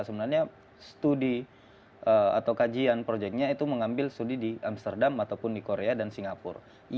sebenarnya studi atau kajian proyeknya itu mengambil studi di amsterdam ataupun di korea dan singapura